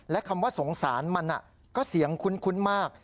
และคำว่าสงสารมันก็เสียงคุ้นมาก